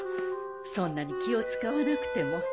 そんなに気を遣わなくても。